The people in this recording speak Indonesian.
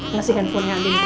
ngasih handphonenya andin